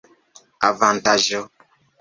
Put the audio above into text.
avantaĝo